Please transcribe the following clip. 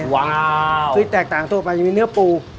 กลุ่มจะแตกต่างทั่วไปจะมีเนื้อปู